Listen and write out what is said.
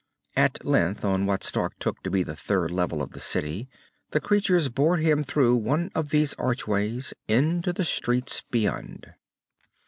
At length, on what Stark took to be the third level of the city, the creatures bore him through one of these archways, into the streets beyond.